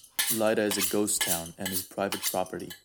Lida is a Ghost Town and is Private Property.